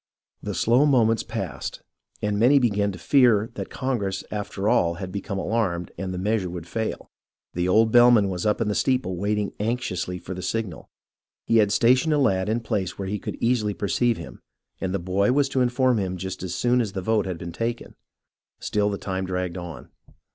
The slow moments passed, and many began to fear that Congress after all had become alarmed and the measure would fail. The old bellman was iip in the steeple waiting anxiously for the signal. He had stationed a lad in a place where he could easily perceive him, and the boy was to inform him just as soon as the vote had been taken. Still the time dragged on.